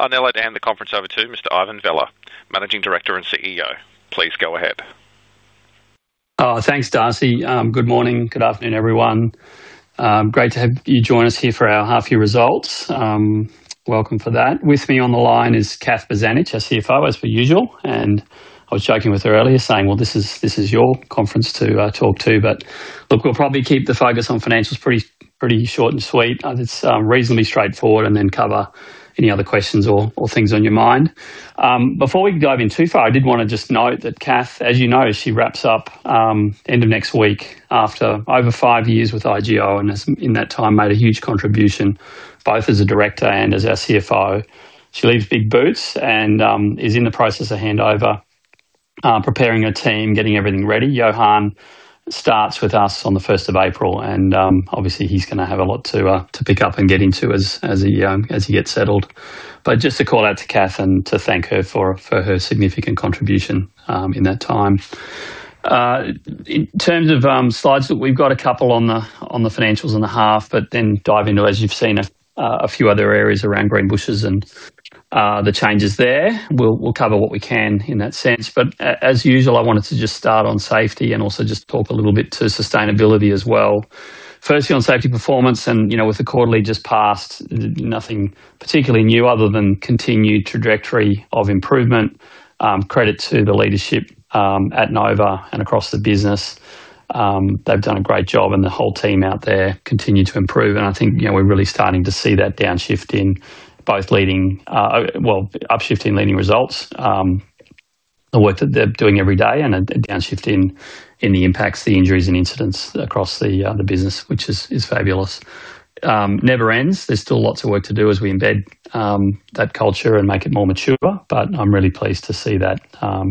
I'll now hand the conference over to Mr. Ivan Vella, Managing Director and CEO. Please go ahead. Thanks, Darcy. Good morning. Good afternoon, everyone. Great to have you join us here for our half year results. Welcome for that. With me on the line is Kath Bozanic, our CFO, as per usual, and I was joking with her earlier, saying, "Well, this is, this is your conference to talk to," but look, we'll probably keep the focus on financials pretty, pretty short and sweet. It's reasonably straightforward, and then cover any other questions or things on your mind. Before we dive in too far, I did wanna just note that Kath, as you know, she wraps up end of next week after over five years with IGO and has, in that time, made a huge contribution, both as a director and as our CFO. She leaves big boots and is in the process of handover, preparing her team, getting everything ready. Johan starts with us on the first of April, and obviously he's gonna have a lot to pick up and get into as he gets settled. But just to call out to Kath and to thank her for her significant contribution in that time. In terms of slides, that we've got a couple on the financials and a half, but then dive into, as you've seen, a few other areas around Greenbushes and the changes there. We'll cover what we can in that sense, but as usual, I wanted to just start on safety and also just talk a little bit to sustainability as well. Firstly, on safety performance, and, you know, with the quarterly just passed, nothing particularly new other than continued trajectory of improvement. Credit to the leadership at Nova and across the business. They've done a great job, and the whole team out there continue to improve, and I think, you know, we're really starting to see that downshift in both leading, well, upshifting leading results, the work that they're doing every day, and a downshift in the impacts, the injuries and incidents across the business, which is fabulous. Never ends. There's still lots of work to do as we embed that culture and make it more mature, but I'm really pleased to see that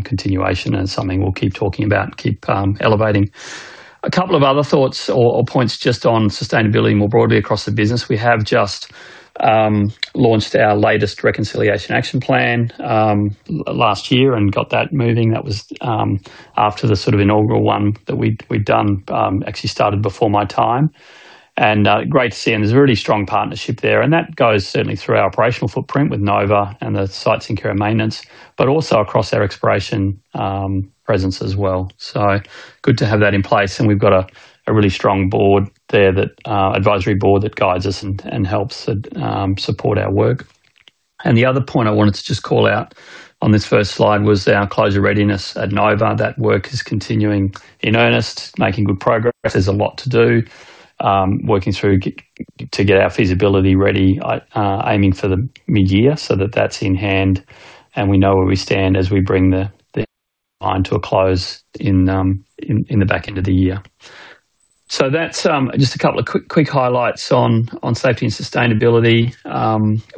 continuation and something we'll keep talking about and keep elevating. A couple of other thoughts or points just on sustainability more broadly across the business. We have just launched our latest Reconciliation Action Plan last year and got that moving. That was after the sort of inaugural one that we'd done, actually started before my time. Great to see, and there's a really strong partnership there, and that goes certainly through our operational footprint with Nova and the sites in care and maintenance, but also across our exploration presence as well. So good to have that in place, and we've got a really strong board there that advisory board that guides us and helps us support our work. The other point I wanted to just call out on this first slide was our closure readiness at Nova. That work is continuing in earnest, making good progress. There's a lot to do, working through to get our feasibility ready, aiming for the mid-year, so that that's in hand, and we know where we stand as we bring the line to a close in the back end of the year. So that's just a couple of quick highlights on safety and sustainability.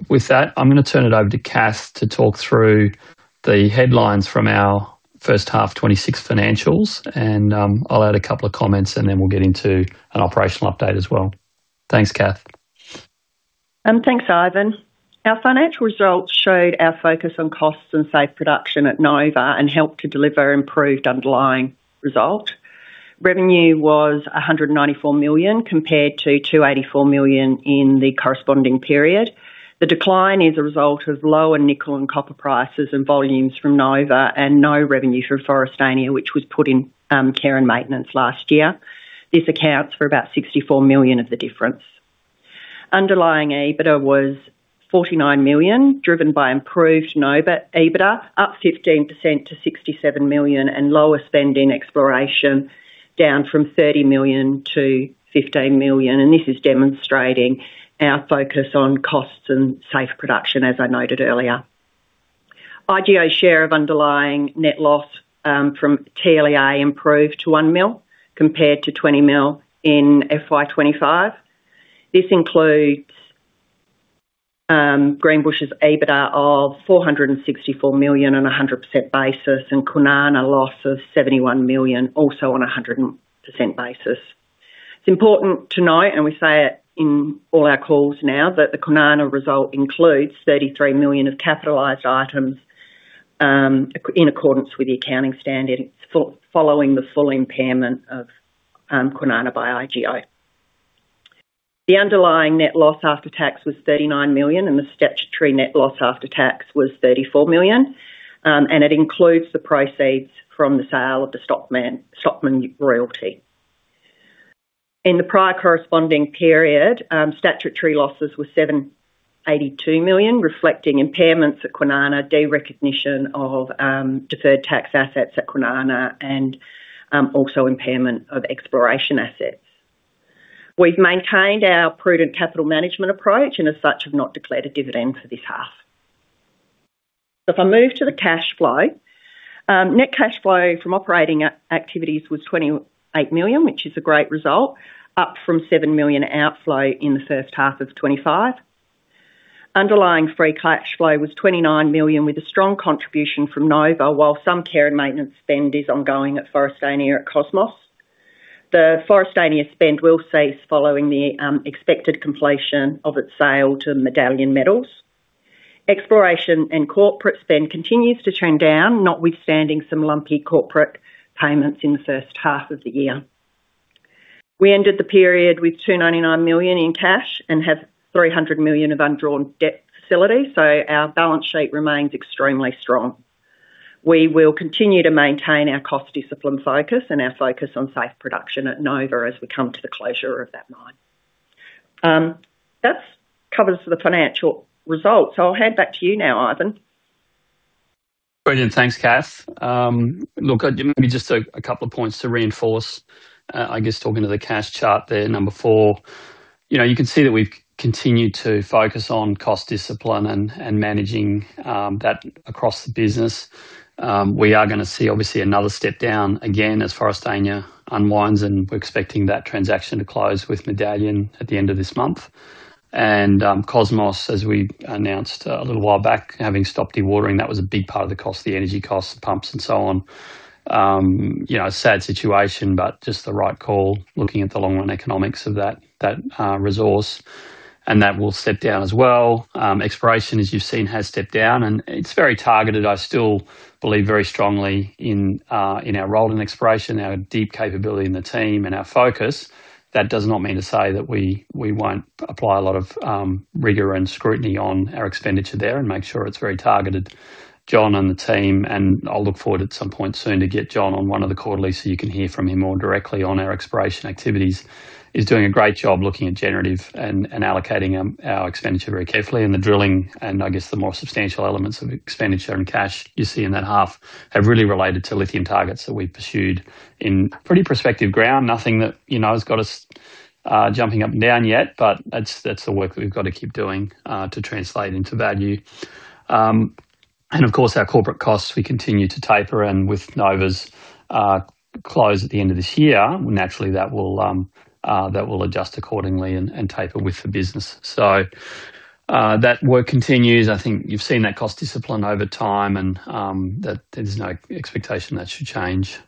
With that, I'm gonna turn it over to Kath to talk through the headlines from our first half 2026 financials, and I'll add a couple of comments, and then we'll get into an operational update as well. Thanks, Kath. Thanks, Ivan. Our financial results showed our focus on costs and safe production at Nova and helped to deliver improved underlying result. Revenue was 194 million, compared to 284 million in the corresponding period. The decline is a result of lower nickel and copper prices and volumes from Nova and no revenue from Forrestania, which was put in care and maintenance last year. This accounts for about 64 million of the difference. Underlying EBITDA was 49 million, driven by improved Nova EBITDA, up 15% to 67 million and lower spend in exploration, down from 30 million to 15 million. This is demonstrating our focus on costs and safe production, as I noted earlier. IGO's share of underlying net loss from TLEA improved to 1 million, compared to 20 million in FY 2025. This includes Greenbushes' EBITDA of 464 million on a 100% basis and Kwinana loss of 71 million, also on a 100% basis. It's important to note, and we say it in all our calls now, that the Kwinana result includes 33 million of capitalized items in accordance with the accounting standards, following the full impairment of Kwinana by IGO. The underlying net loss after tax was 39 million, and the statutory net loss after tax was 34 million. It includes the proceeds from the sale of the Stockman, Stockman royalty. In the prior corresponding period, statutory losses were 782 million, reflecting impairments at Kwinana, derecognition of deferred tax assets at Kwinana, and also impairment of exploration assets. We've maintained our prudent capital management approach and as such, have not declared a dividend for this half. So if I move to the cash flow, net cash flow from operating activities was 28 million, which is a great result, up from 7 million outflow in the first half of 2025. Underlying free cash flow was 29 million, with a strong contribution from Nova, while some care and maintenance spend is ongoing at Forrestania at Cosmos. The Forrestania spend will cease following the expected completion of its sale to Medallion Metals. Exploration and corporate spend continues to trend down, notwithstanding some lumpy corporate payments in the first half of the year. We ended the period with 299 million in cash and have 300 million of undrawn debt facility, so our balance sheet remains extremely strong. We will continue to maintain our cost discipline focus and our focus on safe production at Nova as we come to the closure of that mine. That covers the financial results. I'll hand back to you now, Ivan. Brilliant. Thanks, Cath. Look, maybe just a couple of points to reinforce. I guess talking to the cash chart there, number four, you know, you can see that we've continued to focus on cost discipline and managing that across the business. We are gonna see obviously another step down again as Forrestania unwinds, and we're expecting that transaction to close with Medallion at the end of this month. Cosmos, as we announced a little while back, having stopped dewatering, that was a big part of the cost, the energy costs, the pumps, and so on. You know, a sad situation, but just the right call, looking at the long-run economics of that resource, and that will step down as well. Exploration, as you've seen, has stepped down and it's very targeted. I still believe very strongly in our role in exploration, our deep capability in the team and our focus. That does not mean to say that we won't apply a lot of rigor and scrutiny on our expenditure there and make sure it's very targeted. John and the team, and I'll look forward at some point soon to get John on one of the quarterly, so you can hear from him more directly on our exploration activities. He's doing a great job looking at generative and allocating our expenditure very carefully. And the drilling, and I guess, the more substantial elements of expenditure and cash you see in that half, have really related to lithium targets that we pursued in pretty prospective ground. Nothing that, you know, has got us jumping up and down yet, but that's, that's the work that we've got to keep doing to translate into value. And of course, our corporate costs, we continue to taper, and with Nova's close at the end of this year, naturally, that will, that will adjust accordingly and, and taper with the business. So, that work continues. I think you've seen that cost discipline over time and that there's no expectation that should change.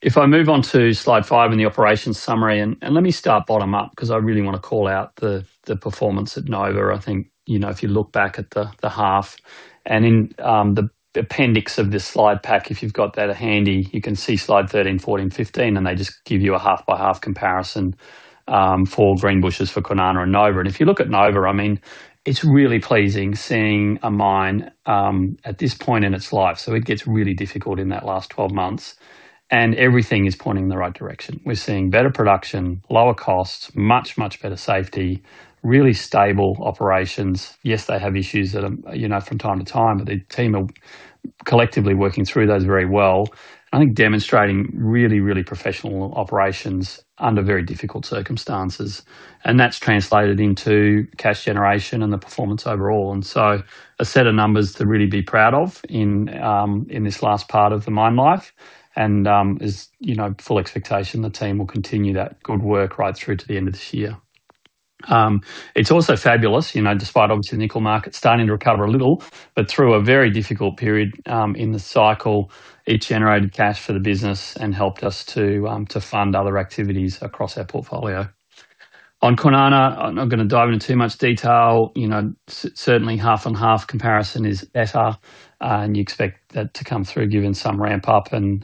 If I move on to slide five in the operations summary, and let me start bottom up, 'cause I really want to call out the performance at Nova. I think, you know, if you look back at the half, and in the appendix of this slide pack, if you've got that handy, you can see slide 13, 14, 15, and they just give you a half-by-half comparison for Greenbushes, for Kwinana and Nova. And if you look at Nova, I mean, it's really pleasing seeing a mine at this point in its life. So it gets really difficult in that last 12 months, and everything is pointing in the right direction. We're seeing better production, lower costs, much, much better safety, really stable operations. Yes, they have issues that, you know, from time to time, but the team are collectively working through those very well. I think demonstrating really, really professional operations under very difficult circumstances, and that's translated into cash generation and the performance overall. And so a set of numbers to really be proud of in this last part of the mine life. And is, you know, full expectation the team will continue that good work right through to the end of this year. It's also fabulous, you know, despite obviously the nickel market starting to recover a little, but through a very difficult period in the cycle, it generated cash for the business and helped us to to fund other activities across our portfolio. On Kwinana, I'm not gonna dive into too much detail. You know, certainly half-on-half comparison is better, and you expect that to come through, given some ramp-up and,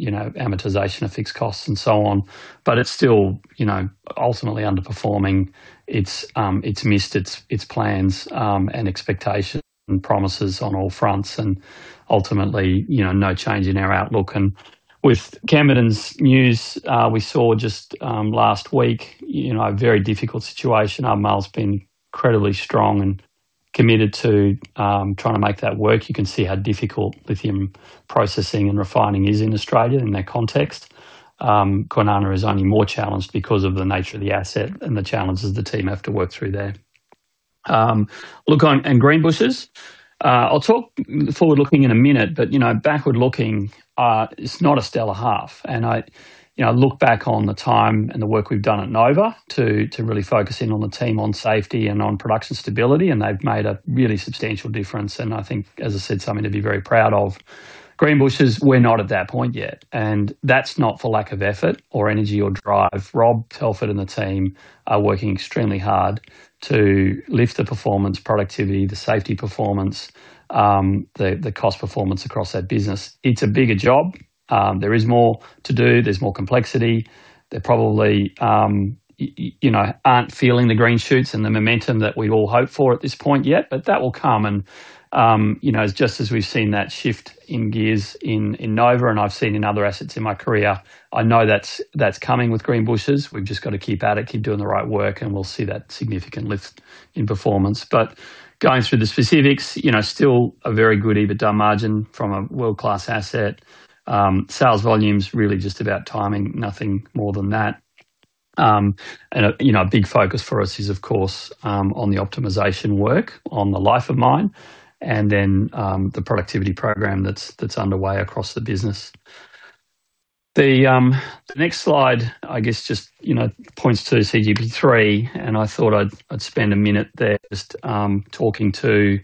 you know, amortization of fixed costs and so on. But it's still, you know, ultimately underperforming. It's, it's missed its, its plans, and expectations and promises on all fronts, and ultimately, you know, no change in our outlook. And with Kemerton's news, we saw just, last week, you know, a very difficult situation. Albemarle's been incredibly strong and committed to, trying to make that work. You can see how difficult lithium processing and refining is in Australia in that context. Kwinana is only more challenged because of the nature of the asset and the challenges the team have to work through there. Look, on, in Greenbushes, I'll talk forward-looking in a minute, but, you know, backward-looking, it's not a stellar half. And I, you know, look back on the time and the work we've done at Nova to really focus in on the team, on safety and on production stability, and they've made a really substantial difference, and I think, as I said, something to be very proud of. Greenbushes, we're not at that point yet, and that's not for lack of effort or energy or drive. Rob Telford and the team are working extremely hard to lift the performance, productivity, the safety performance, the cost performance across that business. It's a bigger job. There is more to do. There's more complexity. They're probably, you know, aren't feeling the green shoots and the momentum that we'd all hope for at this point yet, but that will come and, you know, just as we've seen that shift in gears in Nova, and I've seen in other assets in my career, I know that's coming with Greenbushes. We've just got to keep at it, keep doing the right work, and we'll see that significant lift in performance. But going through the specifics, you know, still a very good EBITDA margin from a world-class asset. Sales volume's really just about timing, nothing more than that. And, you know, a big focus for us is, of course, on the optimization work, on the life of mine, and then the productivity program that's underway across the business. The next slide, I guess, just, you know, points to CGP3,, and I thought I'd spend a minute there just talking to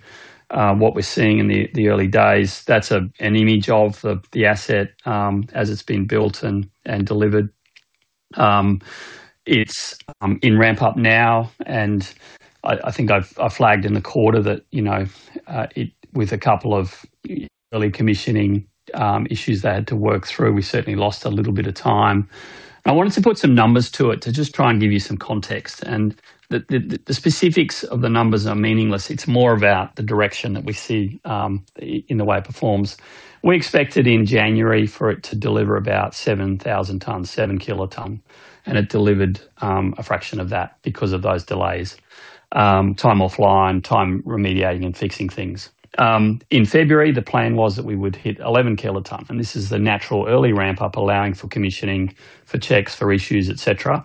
what we're seeing in the early days. That's an image of the asset as it's being built and delivered. It's in ramp up now, and I think I've flagged in the quarter that, you know, it—with a couple of early commissioning issues they had to work through, we certainly lost a little bit of time. I wanted to put some numbers to it to just try and give you some context, and the specifics of the numbers are meaningless. It's more about the direction that we see in the way it performs. We expected in January for it to deliver about 7,000 tons, 7 kiloton, and it delivered, a fraction of that because of those delays, time offline, time remediating and fixing things. In February, the plan was that we would hit 11 kiloton, and this is the natural early ramp-up, allowing for commissioning, for checks, for issues, et cetera.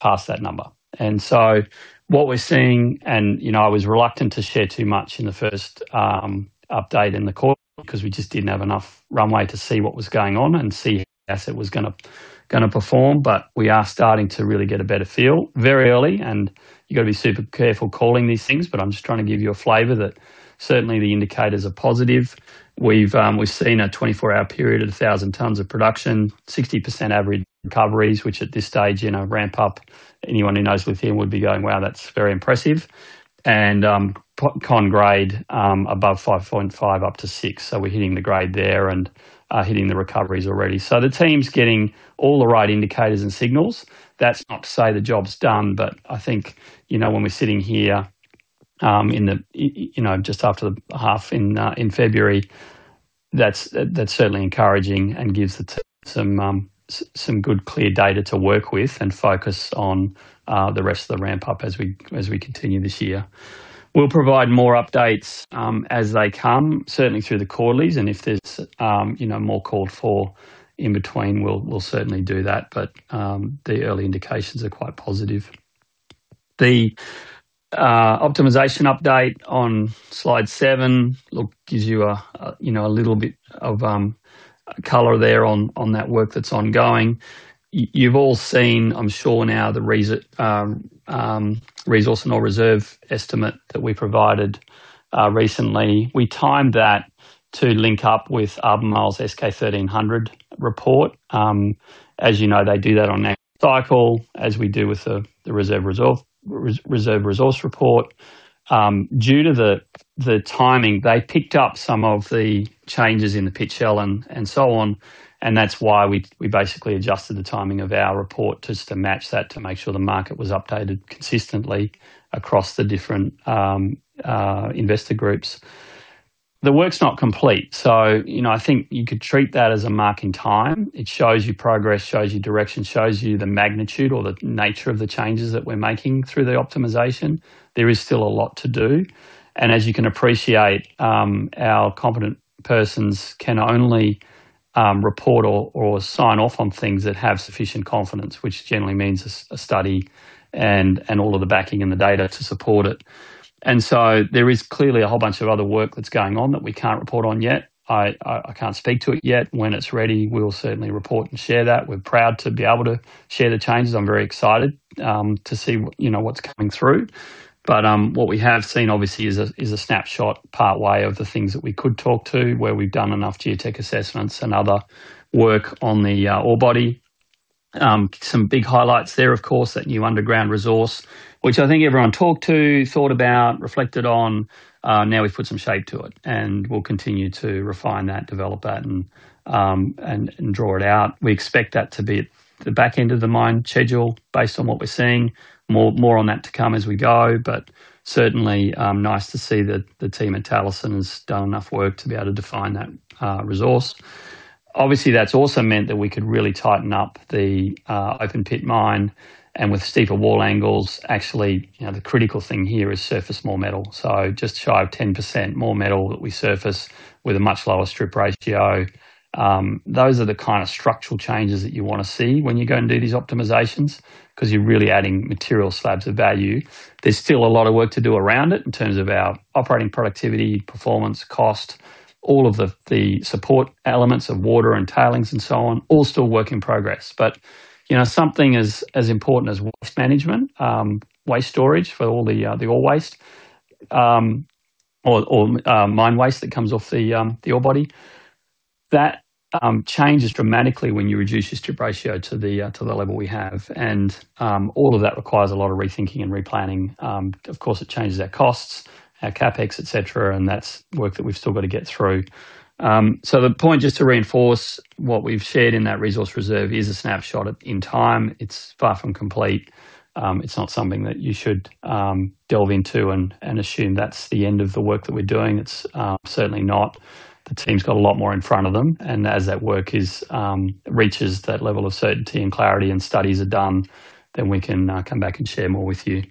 Halfway through the month, they've already passed that number. And so what we're seeing, and, you know, I was reluctant to share too much in the first update in the quarter because we just didn't have enough runway to see what was going on and see how the asset was gonna perform, but we are starting to really get a better feel very early, and you've got to be super careful calling these things, but I'm just trying to give you a flavor that certainly the indicators are positive. We've, we've seen a 24-hour period of 1,000 tons of production, 60% average recoveries, which at this stage, you know, ramp up. Anyone who knows lithium would be going, "Wow, that's very impressive." And, con grade, above 5.5 up to 6. So we're hitting the grade there and, hitting the recoveries already. So the team's getting all the right indicators and signals. That's not to say the job's done, but I think, you know, when we're sitting here, you know, just after the half in February, that's certainly encouraging and gives the team some good, clear data to work with and focus on the rest of the ramp up as we continue this year. We'll provide more updates as they come, certainly through the quarterlies, and if there's, you know, more called for in between, we'll certainly do that but the early indications are quite positive. The optimization update on slide seven, look, gives you a little bit of color there on that work that's ongoing. You've all seen, I'm sure now, the resource and ore reserve estimate that we provided recently. We timed that to link up with Albemarle's S-K 1300 report. As you know, they do that on that cycle, as we do with the reserve resource report. Due to the timing, they picked up some of the changes in the pit shell and so on, and that's why we basically adjusted the timing of our report just to match that, to make sure the market was updated consistently across the different investor groups. The work's not complete, so you know, I think you could treat that as a mark in time. It shows you progress, shows you direction, shows you the magnitude or the nature of the changes that we're making through the optimization. There is still a lot to do, and as you can appreciate, our competent persons can only report or sign off on things that have sufficient confidence, which generally means a S-A study and all of the backing and the data to support it. So there is clearly a whole bunch of other work that's going on that we can't report on yet. I can't speak to it yet. When it's ready, we'll certainly report and share that. We're proud to be able to share the changes. I'm very excited to see, you know, what's coming through. But what we have seen, obviously, is a snapshot part way of the things that we could talk to, where we've done enough geotech assessments and other work on the ore body. Some big highlights there, of course, that new underground resource, which I think everyone talked to, thought about, reflected on. Now we've put some shape to it, and we'll continue to refine that, develop that, and draw it out. We expect that to be at the back end of the mine schedule, based on what we're seeing. More on that to come as we go, but certainly nice to see that the team at Talison has done enough work to be able to define that resource. Obviously, that's also meant that we could really tighten up the open pit mine, and with steeper wall angles, actually, you know, the critical thing here is surface more metal. So just shy of 10% more metal that we surface with a much lower strip ratio. Those are the kind of structural changes that you want to see when you go and do these optimizations, 'cause you're really adding material slabs of value. There's still a lot of work to do around it in terms of our operating productivity, performance, cost, all of the support elements of water and tailings and so on, all still work in progress. But, you know, something as important as waste management, waste storage for all the ore waste, or mine waste that comes off the ore body, that changes dramatically when you reduce your strip ratio to the level we have. And all of that requires a lot of rethinking and replanning. Of course, it changes our costs, our CapEx, et cetera, and that's work that we've still got to get through. So the point, just to reinforce what we've shared in that resource reserve, is a snapshot in time. It's far from complete. It's not something that you should delve into and assume that's the end of the work that we're doing. It's certainly not. The team's got a lot more in front of them, and as that work reaches that level of certainty and clarity and studies are done, then we can come back and share more with you.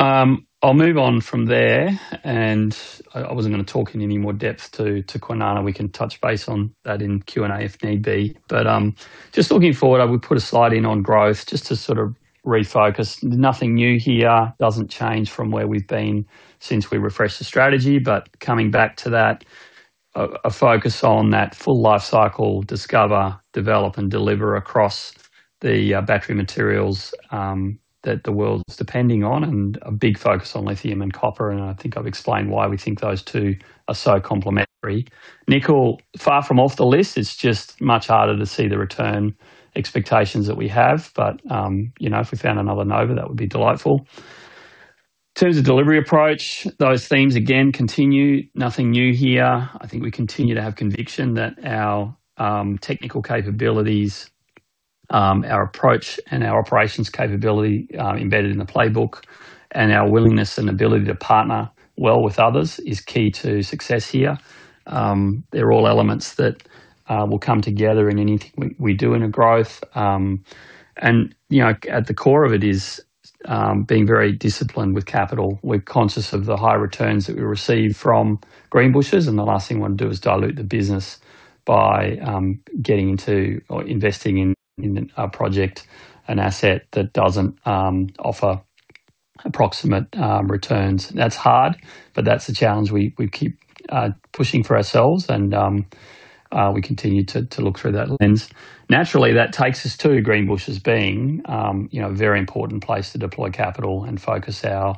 I'll move on from there, and I wasn't gonna talk in any more depth to Kwinana. We can touch base on that in Q&A if need be. But just looking forward, I would put a slide in on growth just to sort of refocus. Nothing new here, doesn't change from where we've been since we refreshed the strategy, but coming back to that, a focus on that full life cycle, discover, develop, and deliver across the battery materials that the world is depending on, and a big focus on lithium and copper, and I think I've explained why we think those two are so complementary. Nickel, far from off the list, it's just much harder to see the return expectations that we have, but, you know, if we found another Nova, that would be delightful... In terms of delivery approach, those themes again continue. Nothing new here. I think we continue to have conviction that our technical capabilities, our approach and our operations capability, embedded in the playbook and our willingness and ability to partner well with others is key to success here. They're all elements that will come together in anything we do in a growth. You know, at the core of it is being very disciplined with capital. We're conscious of the high returns that we receive from Greenbushes, and the last thing we want to do is dilute the business by getting into or investing in a project, an asset that doesn't offer appropriate returns. That's hard, but that's the challenge we keep pushing for ourselves and we continue to look through that lens. Naturally, that takes us to Greenbushes being you know, a very important place to deploy capital and focus our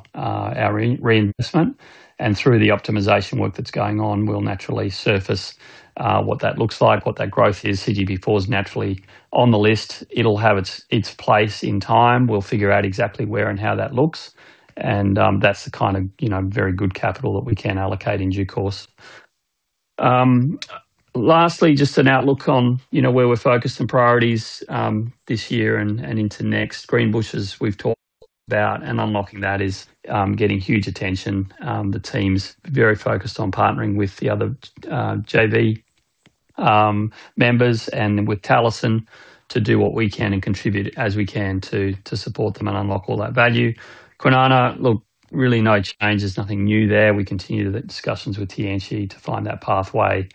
reinvestment. And through the optimization work that's going on, we'll naturally surface what that looks like, what that growth is. CGP4 is naturally on the list. It'll have its place in time. We'll figure out exactly where and how that looks. And that's the kind of, you know, very good capital that we can allocate in due course. Lastly, just an outlook on, you know, where we're focused on priorities, this year and into next. Greenbushes, we've talked about, and unlocking that is getting huge attention. The team's very focused on partnering with the other JV members and with Talison, to do what we can and contribute as we can to support them and unlock all that value. Kwinana, look, really no changes, nothing new there. We continue the discussions with Tianqi to find that pathway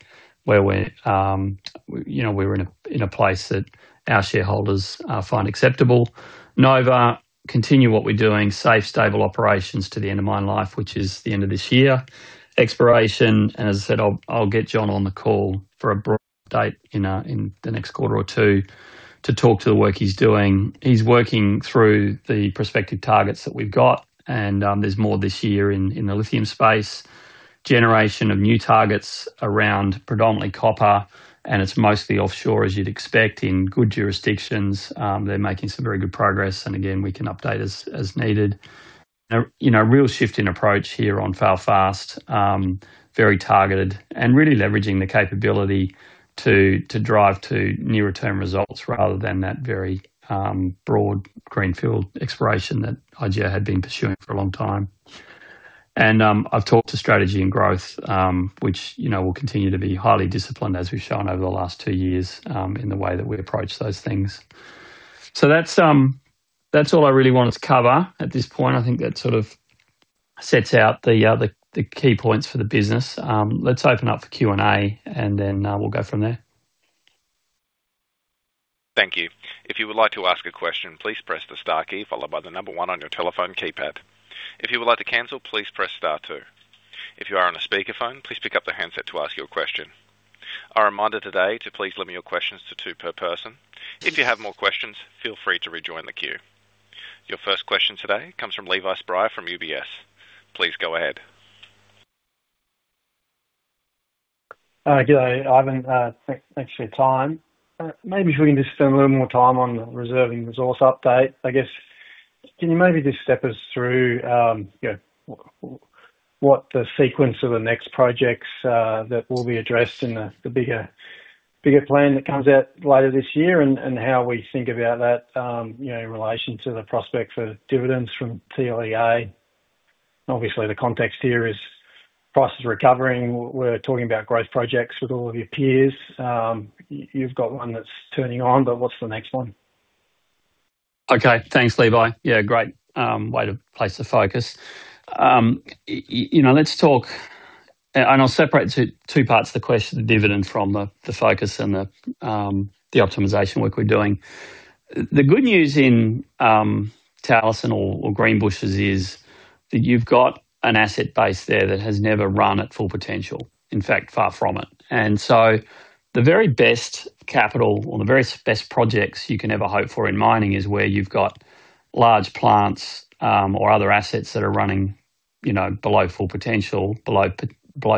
where we're, you know, we're in a place that our shareholders find acceptable. Nova, continue what we're doing. Safe, stable operations to the end of mine life, which is the end of this year. Exploration, and as I said, I'll get John on the call for a broad update in the next quarter or two to talk to the work he's doing. He's working through the prospective targets that we've got, and there's more this year in the lithium space. Generation of new targets around predominantly copper, and it's mostly offshore, as you'd expect, in good jurisdictions. They're making some very good progress, and again, we can update as needed. You know, real shift in approach here on fail fast, very targeted and really leveraging the capability to drive to new return results rather than that very broad greenfield exploration that IGO had been pursuing for a long time. I've talked to strategy and growth, which, you know, will continue to be highly disciplined, as we've shown over the last two years, in the way that we approach those things. So that's all I really wanted to cover at this point. I think that sort of sets out the key points for the business. Let's open up the Q&A, and then we'll go from there. Thank you. If you would like to ask a question, please press the star key followed by the number one on your telephone keypad. If you would like to cancel, please press star two. If you are on a speakerphone, please pick up the handset to ask your question. A reminder today to please limit your questions to two per person. If you have more questions, feel free to rejoin the queue. Your first question today comes from Levi Spry from UBS. Please go ahead. Good day, Ivan. Thanks for your time. Maybe if we can just spend a little more time on the reserves and resources update. I guess, can you maybe just step us through, you know, what the sequence of the next projects that will be addressed in the bigger plan that comes out later this year, and how we think about that, you know, in relation to the prospects for dividends from TLEA? Obviously, the context here is prices recovering. We're talking about growth projects with all of your peers. You've got one that's turning on, but what's the next one? Okay. Thanks, Levi. Yeah, great way to place the focus. You know, let's talk. And I'll separate two parts of the question, the dividend from the focus and the optimization work we're doing. The good news in Talison or Greenbushes is that you've got an asset base there that has never run at full potential. In fact, far from it. And so the very best capital or the very best projects you can ever hope for in mining is where you've got large plants or other assets that are running, you know, below full potential, below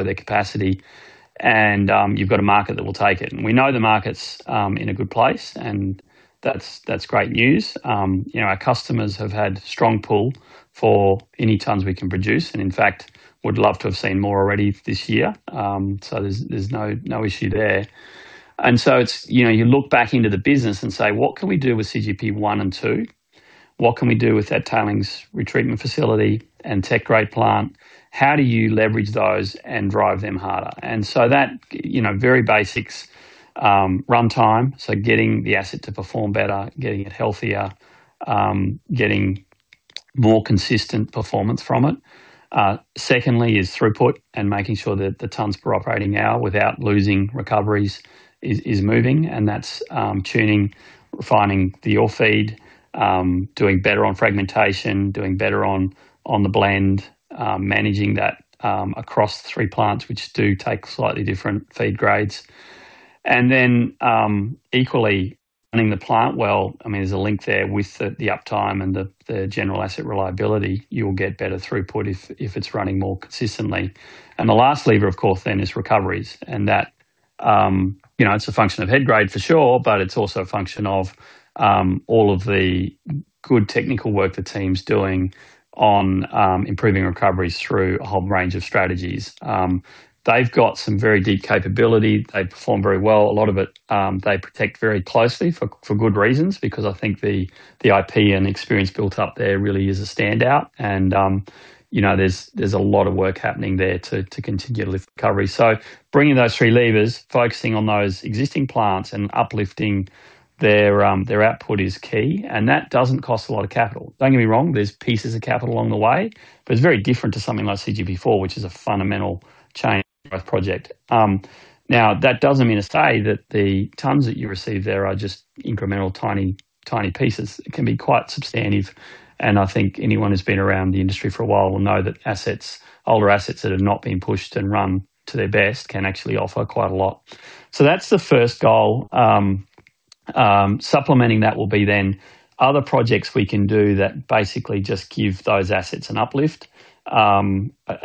their capacity, and you've got a market that will take it. And we know the market's in a good place, and that's great news. You know, our customers have had strong pull for any tons we can produce, and in fact, would love to have seen more already this year. So there's no issue there. And so it's, you know, you look back into the business and say: What can we do with CGP1 and 2? What can we do with that tailings retreatment facility and tech grade plant? How do you leverage those and drive them harder? And so that, you know, very basics, runtime, so getting the asset to perform better, getting it healthier, getting more consistent performance from it. Secondly, is throughput and making sure that the tons per operating hour without losing recoveries is moving, and that's tuning, refining the ore feed, doing better on fragmentation, doing better on the blend, managing that across three plants, which do take slightly different feed grades. And then, equally, running the plant well. I mean, there's a link there with the uptime and the general asset reliability. You'll get better throughput if it's running more consistently. And the last lever, of course, then, is recoveries, and you know, it's a function of head grade for sure, but it's also a function of all of the good technical work the team's doing on improving recoveries through a whole range of strategies. They've got some very deep capability. They perform very well. A lot of it, they protect very closely for, for good reasons, because I think the, the IP and experience built up there really is a standout and, you know, there's, there's a lot of work happening there to, to continue to lift recovery. So bringing those three levers, focusing on those existing plants and uplifting their, their output is key, and that doesn't cost a lot of capital. Don't get me wrong, there's pieces of capital along the way, but it's very different to something like CGP4, which is a fundamental change growth project. Now, that doesn't mean to say that the tons that you receive there are just incremental, tiny, tiny pieces. It can be quite substantive, and I think anyone who's been around the industry for a while will know that assets, older assets that have not been pushed and run to their best can actually offer quite a lot. So that's the first goal. Supplementing that will be then other projects we can do that basically just give those assets an uplift,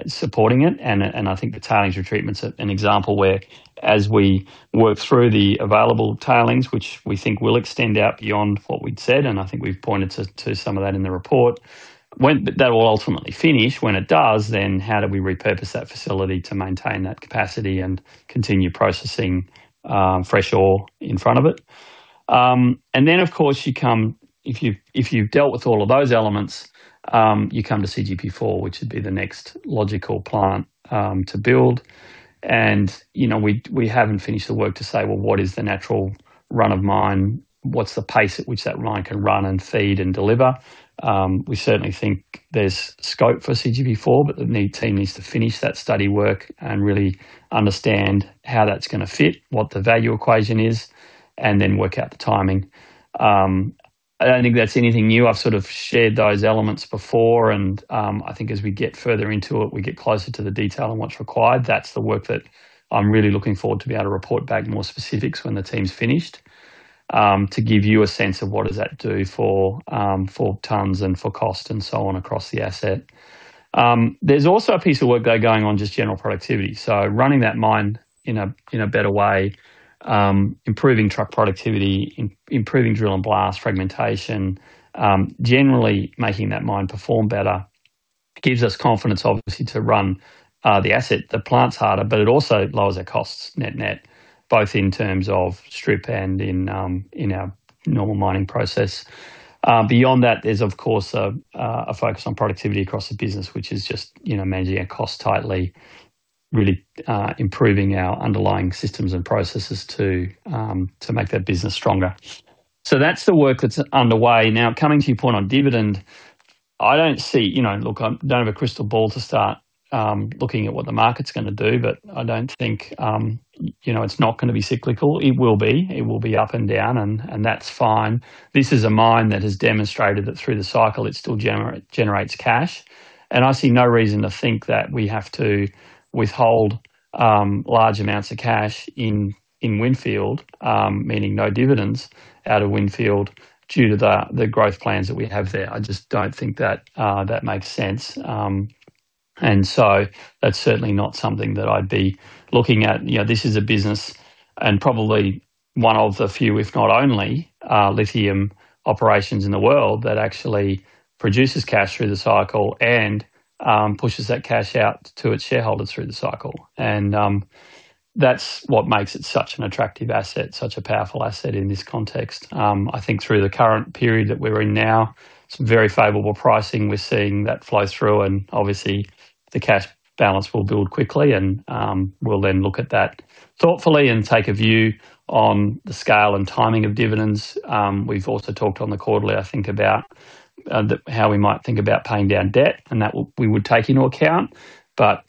supporting it. And I think the tailings retreatment's an example where as we work through the available tailings, which we think will extend out beyond what we'd said, and I think we've pointed to some of that in the report. But that will ultimately finish. When it does, then how do we repurpose that facility to maintain that capacity and continue processing fresh ore in front of it? And then, of course, if you've dealt with all of those elements, you come to CGP4, which would be the next logical plant to build. You know, we haven't finished the work to say, well, what is the natural run of mine? What's the pace at which that mine can run and feed and deliver? We certainly think there's scope for CGP4, but the team needs to finish that study work and really understand how that's gonna fit, what the value equation is, and then work out the timing. I don't think that's anything new. I've sort of shared those elements before and I think as we get further into it, we get closer to the detail and what's required. That's the work that I'm really looking forward to be able to report back more specifics when the team's finished, to give you a sense of what does that do for, for tons and for cost and so on across the asset. There's also a piece of work though, going on, just general productivity. So running that mine in a, in a better way, improving truck productivity, improving drill and blast fragmentation, generally making that mine perform better, gives us confidence, obviously, to run, the asset, the plants harder, but it also lowers our costs net, net, both in terms of strip and in, in our normal mining process. Beyond that, there's of course a focus on productivity across the business, which is just, you know, managing our cost tightly, really, improving our underlying systems and processes to make that business stronger. So that's the work that's underway. Now, coming to your point on dividend, I don't see... You know, look, I don't have a crystal ball to start looking at what the market's gonna do, but I don't think, you know, it's not gonna be cyclical. It will be. It will be up and down, and that's fine. This is a mine that has demonstrated that through the cycle, it still generates cash, and I see no reason to think that we have to withhold large amounts of cash in Windfield, meaning no dividends out of Windfield, due to the growth plans that we have there. I just don't think that that makes sense, and so that's certainly not something that I'd be looking at. You know, this is a business and probably one of the few, if not only, lithium operations in the world, that actually produces cash through the cycle and pushes that cash out to its shareholders through the cycle. And that's what makes it such an attractive asset, such a powerful asset in this context. I think through the current period that we're in now, some very favorable pricing, we're seeing that flow through, and obviously, the cash balance will build quickly and we'll then look at that thoughtfully and take a view on the scale and timing of dividends. We've also talked on the quarterly, I think, about how we might think about paying down debt, and that we would take into account. But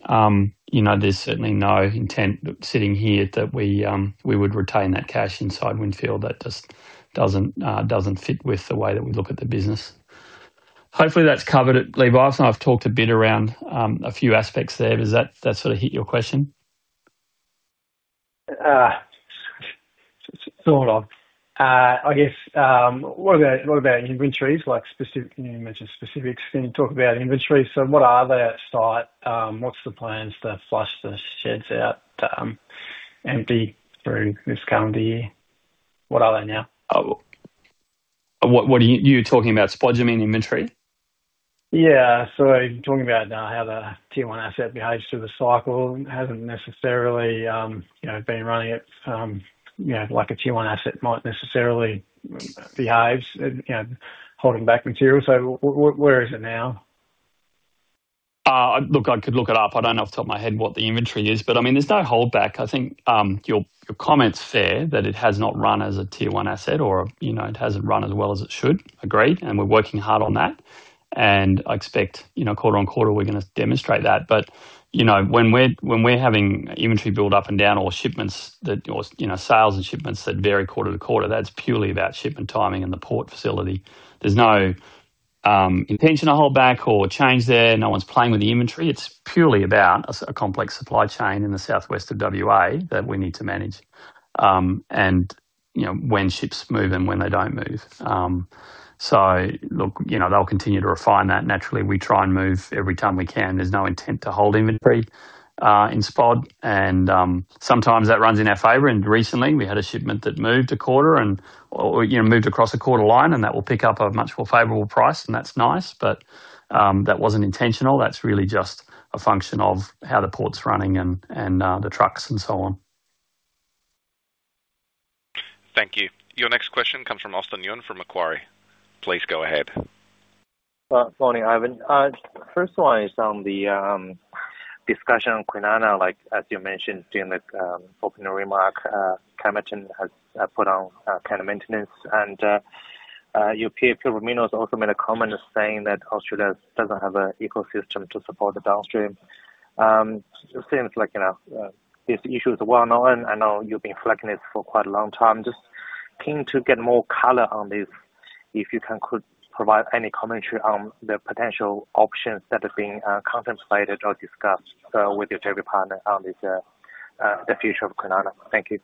you know, there's certainly no intent sitting here that we we would retain that cash inside Windfield. That just doesn't doesn't fit with the way that we look at the business. Hopefully, that's covered it, Levi. I've talked a bit around a few aspects there. Does that that sort of hit your question? Sort of. I guess, what about, what about inventories? Like specific, you mentioned specifics. Can you talk about inventories? So what are they at site? What's the plans to flush the sheds out, empty through this current year? What are they now? What are you talking about, spodumene inventory? Yeah, so talking about how the tier one asset behaves through the cycle. Hasn't necessarily, you know, been running at, you know, like a tier one asset might necessarily behave, and, you know, holding back material. So where is it now? Look, I could look it up. I don't know off the top of my head what the inventory is, but I mean, there's no holdback. I think, your, your comment's fair, that it has not run as a tier one asset or, you know, it hasn't run as well as it should. Agreed, and we're working hard on that. And I expect, you know, quarter-over-quarter, we're gonna demonstrate that. But, you know, when we're, when we're having inventory build up and down or shipments that... or, you know, sales and shipments that vary quarter to quarter, that's purely about shipment timing and the port facility. There's no, intention to hold back or change there. No one's playing with the inventory. It's purely about a complex supply chain in the southwest of WA that we need to manage.... And, you know, when ships move and when they don't move. So look, you know, they'll continue to refine that. Naturally, we try and move every time we can. There's no intent to hold inventory in spot and sometimes that runs in our favor. And recently we had a shipment that moved a quarter and, or, you know, moved across a quarter line, and that will pick up a much more favorable price, and that's nice, but that wasn't intentional. That's really just a function of how the port's running and the trucks and so on. Thank you. Your next question comes from Austin Yun, from Macquarie. Please go ahead. Morning, Ivan. First one is on the discussion on Kwinana, like as you mentioned during the opening remark, Kemerton has put on a kind of maintenance and your peer, Pilbara's also made a comment saying that Australia doesn't have an ecosystem to support the downstream. Seems like, you know, these issues are well known. I know you've been flagging it for quite a long time. Just keen to get more color on this, if you can, could provide any commentary on the potential options that are being contemplated or discussed with your joint partner on this, the future of Kwinana. Thank you.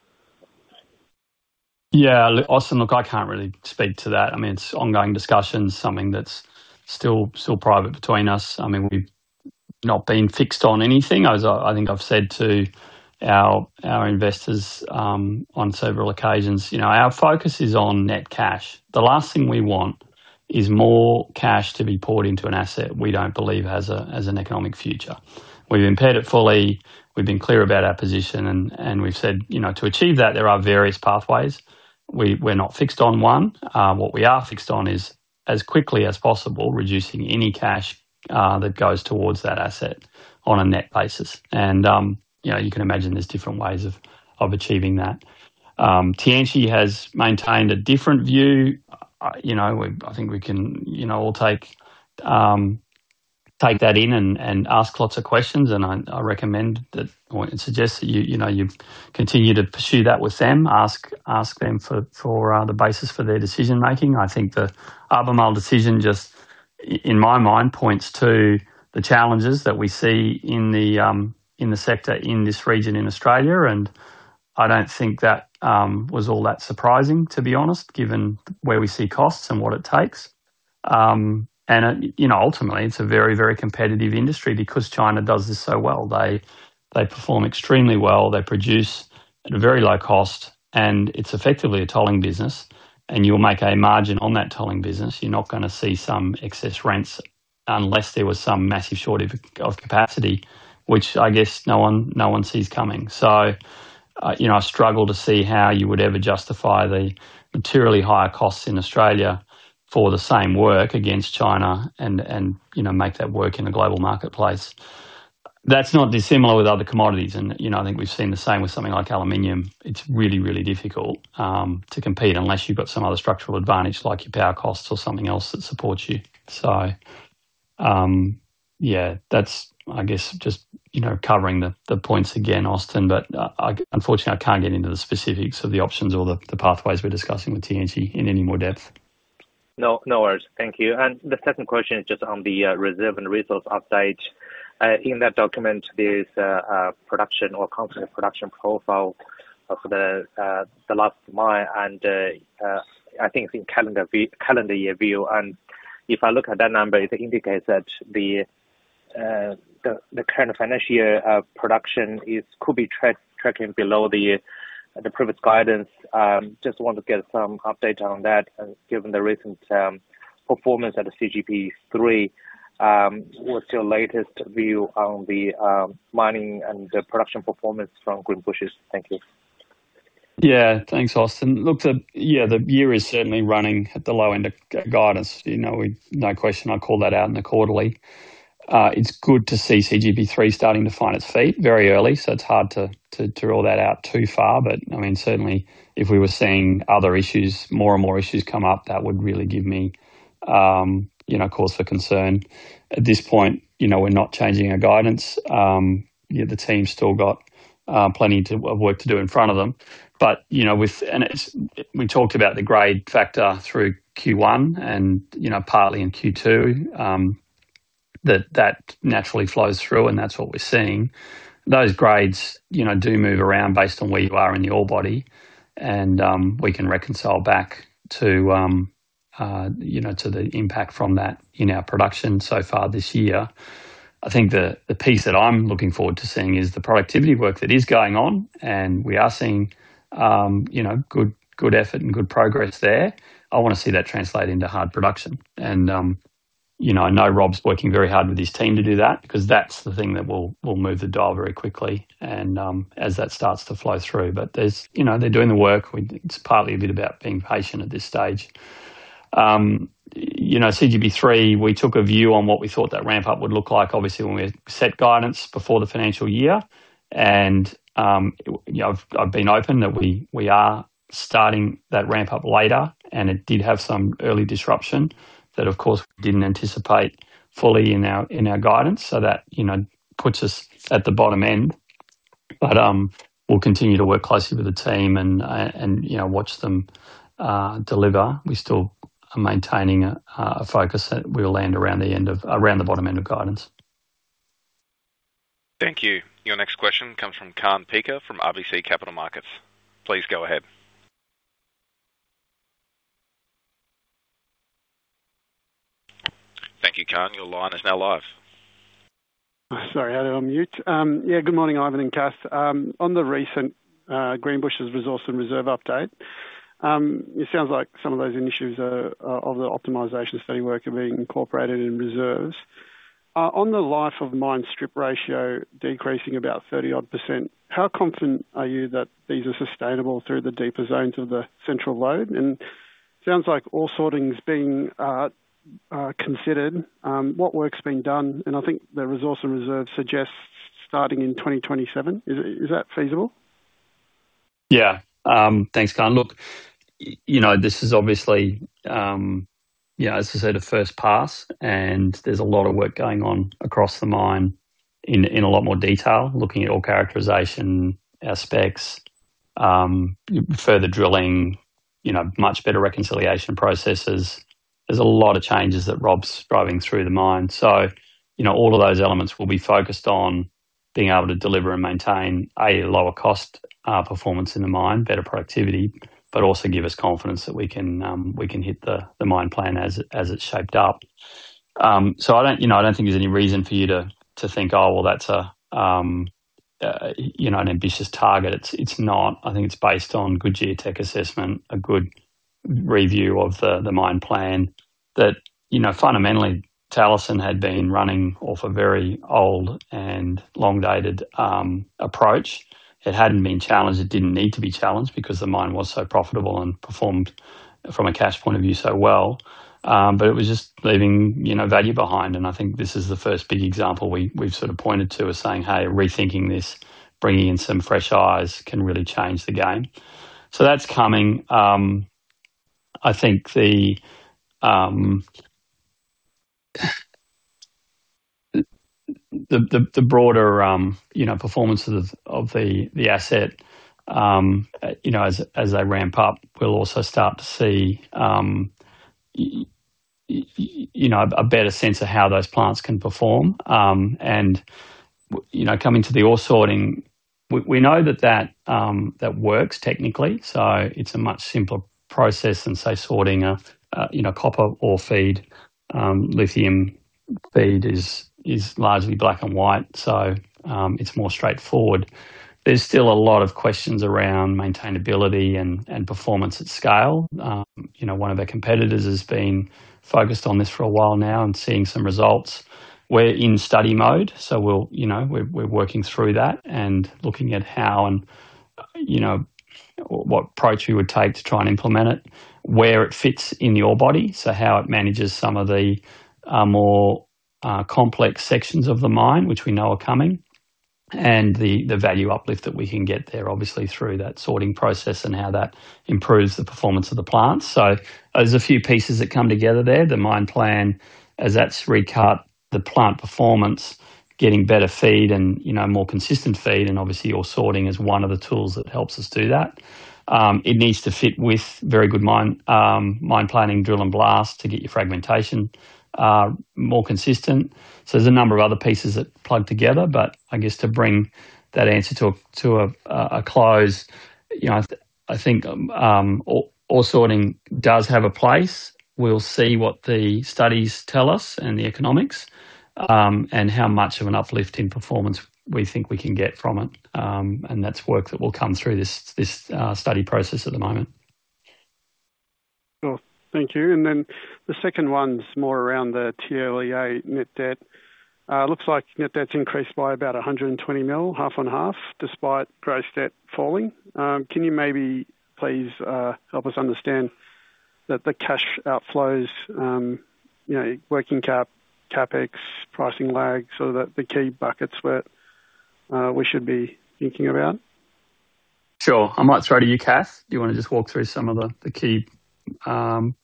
Yeah. Austin, look, I can't really speak to that. I mean, it's ongoing discussions, something that's still private between us. I mean, we've not been fixed on anything. As I think I've said to our investors on several occasions, you know, our focus is on net cash. The last thing we want is more cash to be poured into an asset we don't believe has an economic future. We've impaired it fully, we've been clear about our position and we've said, you know, to achieve that, there are various pathways. We're not fixed on one. What we are fixed on is as quickly as possible, reducing any cash that goes towards that asset on a net basis. And you know, you can imagine there's different ways of achieving that. TNCI has maintained a different view. You know, I think we can, you know, we'll take that in and ask lots of questions, and I recommend that or suggest that you, you know, you continue to pursue that with them. Ask them for the basis for their decision making. I think the Albemarle decision, just in my mind, points to the challenges that we see in the sector, in this region in Australia, and I don't think that was all that surprising, to be honest, given where we see costs and what it takes. And, you know, ultimately it's a very, very competitive industry because China does this so well. They perform extremely well, they produce at a very low cost, and it's effectively a tolling business, and you'll make a margin on that tolling business. You're not gonna see some excess rents unless there was some massive shortage of capacity, which I guess no one, no one sees coming. So, you know, I struggle to see how you would ever justify the materially higher costs in Australia for the same work against China and, you know, make that work in a global marketplace. That's not dissimilar with other commodities, and, you know, I think we've seen the same with something like aluminum. It's really, really difficult to compete unless you've got some other structural advantage, like your power costs or something else that supports you. So, yeah, that's, I guess, just, you know, covering the points again, Austin, but, unfortunately, I can't get into the specifics of the options or the pathways we're discussing with TNCI in any more depth. No, no worries. Thank you. The second question is just on the reserve and resource update. In that document there's a production or constant production profile of the last mile and I think in calendar year view. If I look at that number, it indicates that the current financial year production is could be tracking below the previous guidance. Just want to get some update on that, given the recent performance at the CGP3. What's your latest view on the mining and the production performance from Greenbushes? Thank you. Yeah. Thanks, Austin. Look, the year is certainly running at the low end of guidance. You know, we, no question, I call that out in the quarterly. It's good to see CGP3 starting to find its feet very early, so it's hard to rule that out too far. But I mean, certainly if we were seeing other issues, more and more issues come up, that would really give me, you know, cause for concern. At this point, you know, we're not changing our guidance. Yeah, the team's still got plenty of work to do in front of them. But, you know, and it's, we talked about the grade factor through Q1 and, you know, partly in Q2. That naturally flows through and that's what we're seeing. Those grades, you know, do move around based on where you are in the ore body and we can reconcile back to, you know, to the impact from that in our production so far this year. I think the piece that I'm looking forward to seeing is the productivity work that is going on, and we are seeing, you know, good, good effort and good progress there. I want to see that translate into hard production. And you know, I know Rob's working very hard with his team to do that, because that's the thing that will move the dial very quickly and as that starts to flow through. But there's, you know, they're doing the work. It's partly a bit about being patient at this stage. You know, CGP3, we took a view on what we thought that ramp up would look like, obviously, when we set guidance before the financial year. And, you know, I've been open that we are starting that ramp up later, and it did have some early disruption that, of course, we didn't anticipate fully in our guidance. So that, you know, puts us at the bottom end. But, we'll continue to work closely with the team and, you know, watch them deliver. We still are maintaining a focus that we will land around the end of, around the bottom end of guidance. Thank you. Your next question comes from Kaan Peker from RBC Capital Markets. Please go ahead. Thank you, Kaan. Your line is now live. Sorry, I had it on mute. Yeah, good morning, Ivan and Cass. On the recent Greenbushes resource and reserve update, it sounds like some of those initiatives are of the optimization study work are being incorporated in reserves. On the life of mine strip ratio decreasing about 30-odd%, how confident are you that these are sustainable through the deeper zones of the central lobe? Sounds like ore sorting is being considered. What work's being done? I think the resource and reserve suggests starting in 2027. Is that feasible? Yeah. Thanks, Kaan. Look, you know, this is obviously, yeah, as I said, a first pass, and there's a lot of work going on across the mine in a lot more detail, looking at all characterization, our specs, further drilling, you know, much better reconciliation processes. There's a lot of changes that Rob's driving through the mine. So, you know, all of those elements will be focused on being able to deliver and maintain a lower cost performance in the mine, better productivity, but also give us confidence that we can, we can hit the mine plan as it's shaped up. So I don't, you know, I don't think there's any reason for you to, to think, "Oh, well, that's a, you know, an ambitious target." It's, it's not. I think it's based on good geotech assessment, a good review of the mine plan that, you know, fundamentally, Talison had been running off a very old and long-dated approach. It hadn't been challenged. It didn't need to be challenged because the mine was so profitable and performed from a cash point of view so well. But it was just leaving, you know, value behind, and I think this is the first big example we've sort of pointed to as saying, "Hey, rethinking this, bringing in some fresh eyes can really change the game." So that's coming. I think the broader, you know, performance of the asset, you know, as they ramp up, we'll also start to see you know, a better sense of how those plants can perform. You know, coming to the ore sorting, we know that that works technically, so it's a much simpler process than, say, sorting a you know, copper ore feed. Lithium feed is largely black and white, so it's more straightforward. There's still a lot of questions around maintainability and performance at scale. You know, one of the competitors has been focused on this for a while now and seeing some results. We're in study mode, so we'll, you know, we're, we're working through that and looking at how and, you know, what approach we would take to try and implement it, where it fits in the body, so how it manages some of the more complex sections of the mine, which we know are coming, and the value uplift that we can get there, obviously, through that sorting process and how that improves the performance of the plant. So there's a few pieces that come together there. The mine plan, as that's recut, the plant performance, getting better feed and, you know, more consistent feed, and obviously, ore sorting is one of the tools that helps us do that. It needs to fit with very good mine planning, drill and blast to get your fragmentation more consistent. So there's a number of other pieces that plug together, but I guess to bring that answer to a close, you know, I think ore sorting does have a place. We'll see what the studies tell us and the economics, and how much of an uplift in performance we think we can get from it. And that's work that will come through this study process at the moment. Cool. Thank you. Then the second one's more around the TLEA net debt. It looks like net debt's increased by about 120 million, half and half, despite gross debt falling. Can you maybe please help us understand the cash outflows, you know, working cap, CapEx, pricing lag, so that the key buckets where we should be thinking about? Sure. I might throw to you, Cass. Do you wanna just walk through some of the key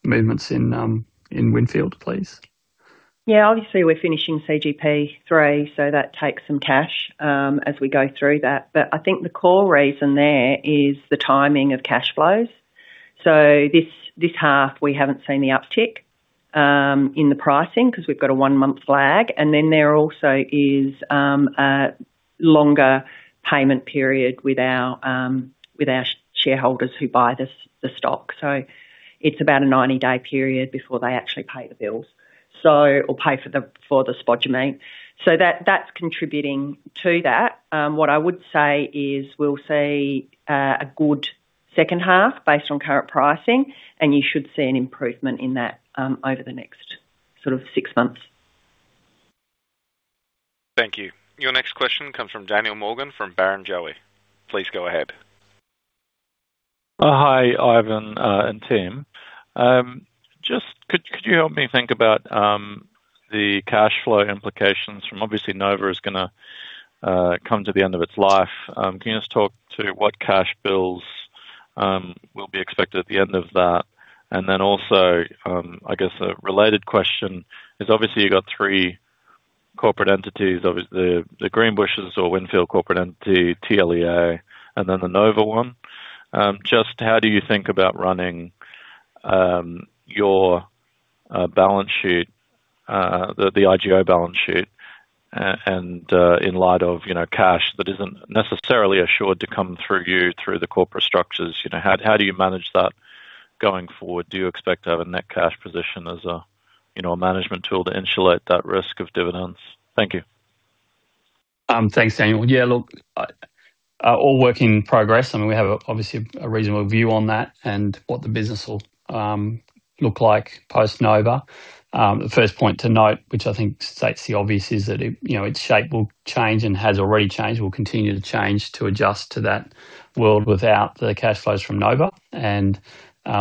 movements in Windfield, please? Yeah, obviously we're finishing CGP3, so that takes some cash as we go through that. But I think the core reason there is the timing of cash flows. So this half, we haven't seen the uptick in the pricing 'cause we've got a one-month lag, and then there also is a longer payment period with our shareholders who buy the stock. So it's about a 90-day period before they actually pay the bills, so or pay for the spodumene. So that, that's contributing to that. What I would say is, we'll see a good second half based on current pricing, and you should see an improvement in that over the next sort of six months. Thank you. Your next question comes from Daniel Morgan, from Barrenjoey. Please go ahead. Hi, Ivan, and team. Just could you help me think about the cash flow implications from. Obviously, Nova is gonna come to the end of its life. Can you just talk to what cash bills will be expected at the end of that? And then also, I guess a related question is, obviously, you got three corporate entities, obviously, the Greenbushes or Windfield corporate entity, TLEA, and then the Nova one. Just how do you think about running your balance sheet, the IGO balance sheet, and in light of, you know, cash that isn't necessarily assured to come through you, through the corporate structures, you know, how do you manage that going forward? Do you expect to have a net cash position as a, you know, a management tool to insulate that risk of dividends? Thank you. Thanks, Daniel. Yeah, look, all work in progress. I mean, we have obviously a reasonable view on that and what the business will look like post-Nova. The first point to note, which I think states the obvious, is that it, you know, its shape will change and has already changed, will continue to change to adjust to that world without the cash flows from Nova. And,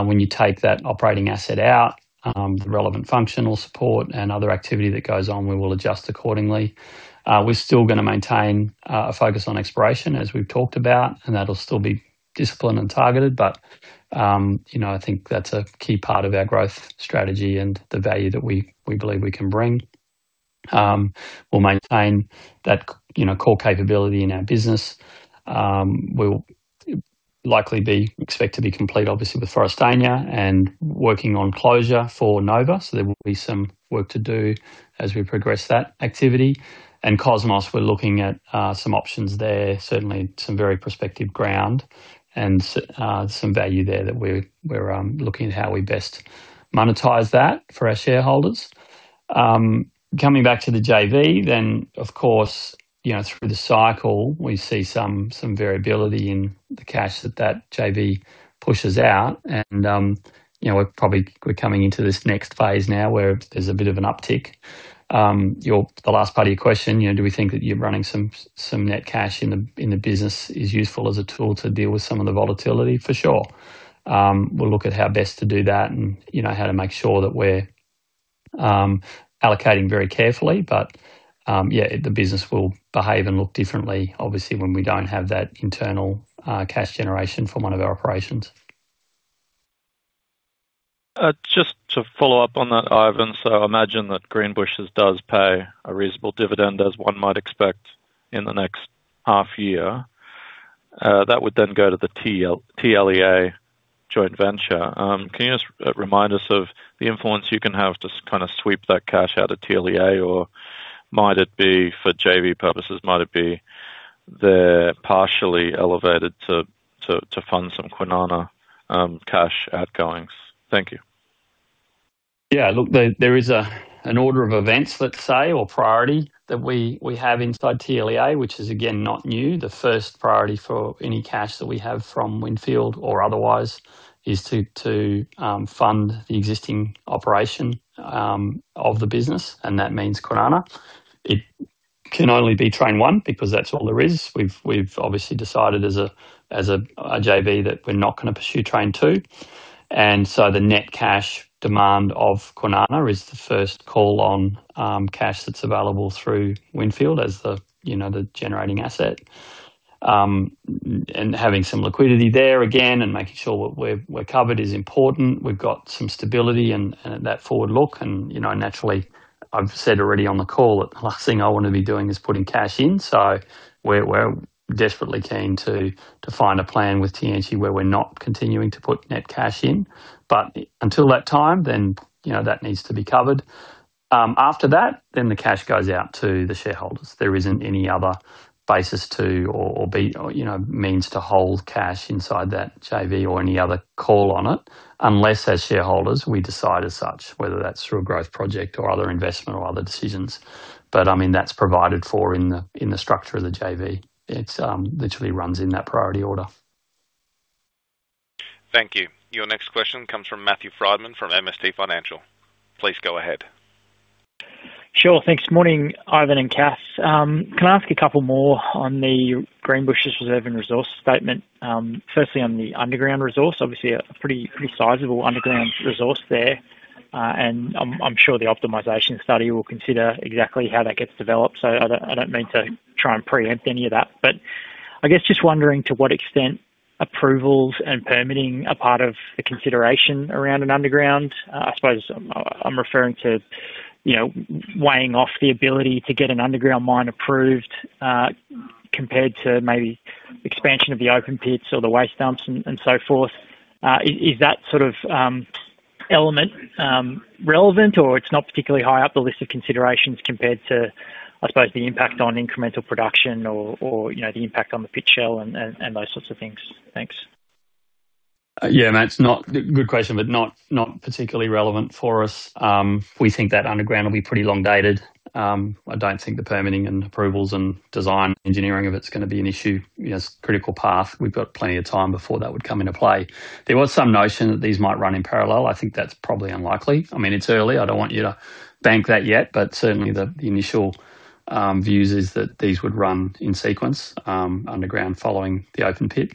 when you take that operating asset out, the relevant functional support and other activity that goes on, we will adjust accordingly. We're still gonna maintain a focus on exploration, as we've talked about, and that'll still be disciplined and targeted, but, you know, I think that's a key part of our growth strategy and the value that we, we believe we can bring. We'll maintain that, you know, core capability in our business. We'll likely expect to be complete, obviously, with Forrestania and working on closure for Nova, so there will be some work to do as we progress that activity. And Cosmos, we're looking at some options there. Certainly some very prospective ground and some value there that we're looking at how we best monetize that for our shareholders. Coming back to the JV, then, of course, you know, through the cycle, we see some variability in the cash that that JV pushes out. And, you know, we're probably, we're coming into this next phase now, where there's a bit of an uptick. Your, the last part of your question, you know, do we think that you running some net cash in the business is useful as a tool to deal with some of the volatility? For sure. We'll look at how best to do that and, you know, how to make sure that we're allocating very carefully. But, yeah, the business will behave and look differently, obviously, when we don't have that internal cash generation from one of our operations. Just to follow up on that, Ivan. So I imagine that Greenbushes does pay a reasonable dividend, as one might expect in the next half year. That would then go to the TLEA joint venture. Can you just remind us of the influence you can have to kind of sweep that cash out of TLEA, or might it be for JV purposes, might it be they're partially allocated to fund some Kwinana cash outgoings? Thank you. Yeah, look, there is an order of events, let's say, or priority, that we have inside TLEA, which is, again, not new. The first priority for any cash that we have from Windfield or otherwise, is to fund the existing operation of the business, and that means Kwinana. It can only be train 1, because that's all there is. We've obviously decided as a JV, that we're not gonna pursue train 2, and so the net cash demand of Kwinana is the first call on cash that's available through Windfield as the, you know, the generating asset. And having some liquidity there, again, and making sure that we're covered is important. We've got some stability and that forward look and, you know, naturally, I've said already on the call, that the last thing I want to be doing is putting cash in, so we're desperately keen to find a plan with TNG where we're not continuing to put net cash in. But until that time, then, you know, that needs to be covered. After that, then the cash goes out to the shareholders. There isn't any other basis or means to hold cash inside that JV or any other call on it, unless as shareholders, we decide as such, whether that's through a growth project or other investment or other decisions. But, I mean, that's provided for in the structure of the JV. It literally runs in that priority order. Thank you. Your next question comes from Matthew Frydman, from MST Financial. Please go ahead. Sure. Thanks. Morning, Ivan and Cath. Can I ask a couple more on the Greenbushes reserve and resource statement? Firstly, on the underground resource. Obviously a pretty, pretty sizable underground resource there. And I'm, I'm sure the optimization study will consider exactly how that gets developed, so I don't, I don't mean to try and preempt any of that. But I guess just wondering to what extent approvals and permitting are part of the consideration around an underground? I suppose I'm, I'm referring to, you know, weighing off the ability to get an underground mine approved, compared to maybe expansion of the open pits or the waste dumps and so forth. Is that sort of element relevant or it's not particularly high up the list of considerations compared to, I suppose, the impact on incremental production or, you know, the impact on the pit shell and those sorts of things? Thanks. Yeah, Matt, good question, but not particularly relevant for us. We think that underground will be pretty long dated. I don't think the permitting and approvals and design, engineering of it's gonna be an issue. You know, it's critical path. We've got plenty of time before that would come into play. There was some notion that these might run in parallel. I think that's probably unlikely. I mean, it's early, I don't want you to bank that yet, but certainly the initial views is that these would run in sequence, underground following the open pit.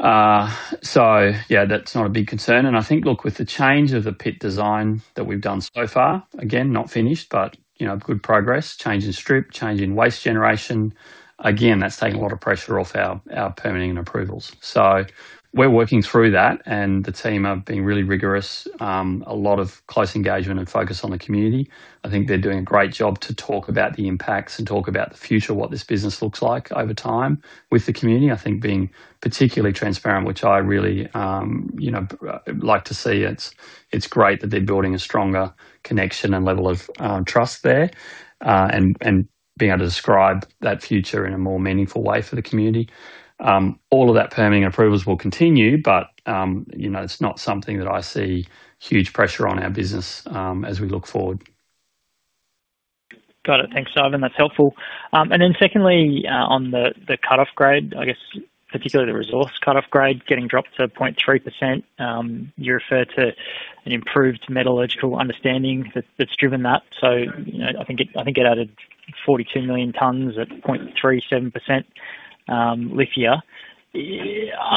So yeah, that's not a big concern. I think, look, with the change of the pit design that we've done so far, again, not finished, but, you know, good progress, change in strip, change in waste generation. Again, that's taking a lot of pressure off our permitting and approvals. So we're working through that, and the team have been really rigorous, a lot of close engagement and focus on the community. I think they're doing a great job to talk about the impacts and talk about the future, what this business looks like over time with the community. I think being particularly transparent, which I really, you know, like to see, it's great that they're building a stronger connection and level of trust there, and being able to describe that future in a more meaningful way for the community. All of that permitting and approvals will continue, but, you know, it's not something that I see huge pressure on our business, as we look forward. Got it. Thanks, Ivan. That's helpful. And then secondly, on the, the cutoff grade, I guess particularly the resource cutoff grade, getting dropped to 0.3%, you refer to an improved metallurgical understanding that's driven that. So, you know, I think it, I think it added 42 million tons at 0.37% lithium.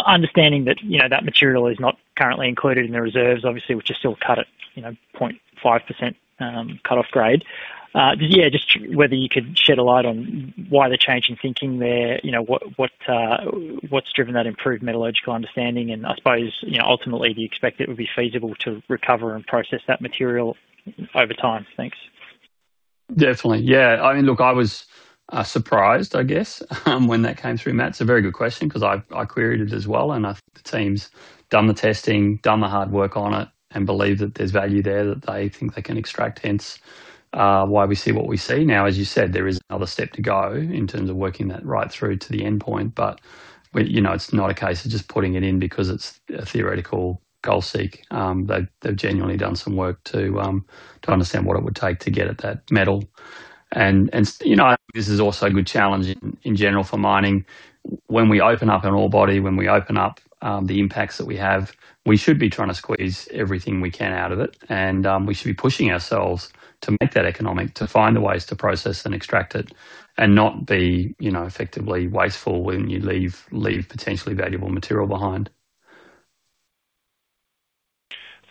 Understanding that, you know, that material is not currently included in the reserves, obviously, which is still cut at, you know, 0.5% cutoff grade. Yeah, just whether you could shed a light on why the change in thinking there, you know, what, what's driven that improved metallurgical understanding? And I suppose, you know, ultimately, do you expect it would be feasible to recover and process that material over time? Thanks. Definitely. Yeah. I mean, look, I was surprised, I guess, when that came through. Matt, it's a very good question 'cause I queried it as well, and I think the team's done the testing, done the hard work on it, and believe that there's value there, that they think they can extract, hence why we see what we see. Now, as you said, there is another step to go in terms of working that right through to the endpoint, but you know, it's not a case of just putting it in because it's a theoretical goal seek. They've, they've genuinely done some work to understand what it would take to get at that metal. And you know, this is also a good challenge in general for mining. When we open up an ore body, the impacts that we have, we should be trying to squeeze everything we can out of it. We should be pushing ourselves to make that economic, to find the ways to process and extract it, and not be, you know, effectively wasteful when you leave potentially valuable material behind.